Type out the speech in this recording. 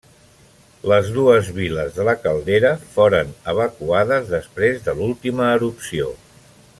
Les dues viles de la caldera foren evacuades després de l'última erupció.